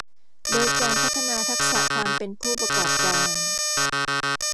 โดยการพัฒนาทักษะความเป็นผู้ประกอบการ